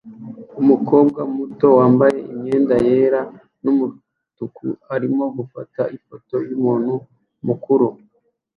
Umukobwa muto wambaye imyenda yera numutuku arimo gufata ifoto yumuntu mukuru